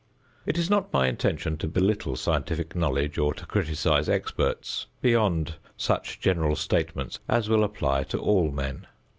It is not my intention to belittle scientific knowledge or to criticise experts beyond such general statements as will apply to all men.